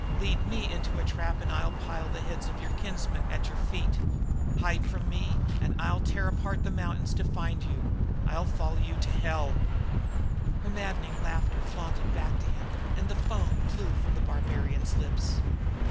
"Lead me into a trap and I'll pile the heads of your kinsmen at your feet. Hide from me and I'll tear apart the mountains to find you! I'll follow you to hell and beyond hell!" Her maddening laughter floated back to him, and foam flew from the warrior's lips.